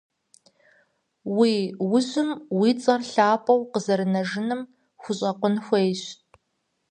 Уи ужьым уи цӀэр лъапӀэу къызэрынэжыным хущӀэкъун хуейщ.